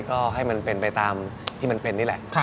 ก็ให้มันเป็นไปตามที่มันเป็นนี่แหละ